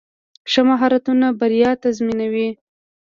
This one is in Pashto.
ښه مهارتونه بریا تضمینوي.